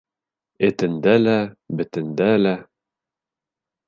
Этендә лә, бетендә лә...